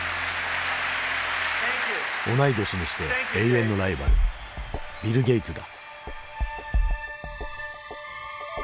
同い年にして永遠のライバルビル・ゲイツだ。